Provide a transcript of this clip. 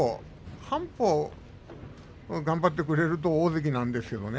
半歩頑張ってくれれば大関なんですけれどね。